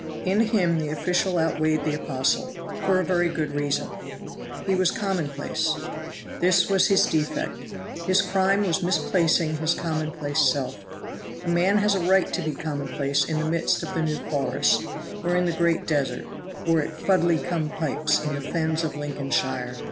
In him the official outweighed the apostle, for a very good reason he was commonplace. This was his defect. His crime was misplacing his commonplace self. A man has a right to be commonplace in the middle of the New Forest, or in the great desert, or at Fudley cum Pipes in the fens of Lincolnshire.